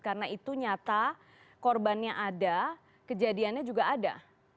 karena itu nyata korbannya ada kejadiannya juga ada